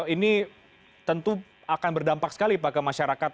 ini tentu akan berdampak sekali pak ke masyarakat